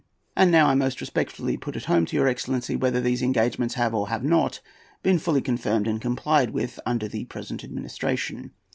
And now I most respectfully put it home to your excellency whether these engagements have or have not been fully confirmed and complied with under the present administration.